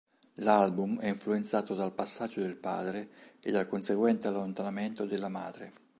L'album è influenzato dal passaggio del padre e dal conseguente allontanamento della madre.